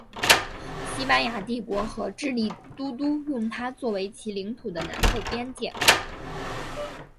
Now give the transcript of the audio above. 西班牙帝国和智利都督用它作为其领土的南部边界。